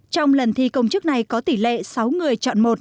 trong lần thi công chức này có tỷ lệ sáu người chọn một